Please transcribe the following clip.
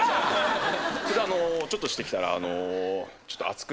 それでちょっとしてきたら。